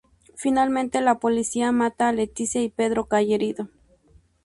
Finalmente la polícia mata a Leticia y Pedro cae herido.